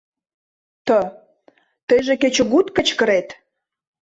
Т.- Тыйже кечыгут кычкырет!